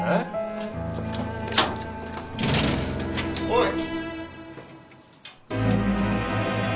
おい。